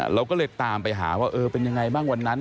เราก็เลยตามไปหาว่าเออเป็นยังไงบ้างวันนั้น